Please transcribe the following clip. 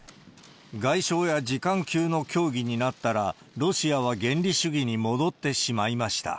外相や次官級の協議になったら、ロシアは原理主義に戻ってしまいました。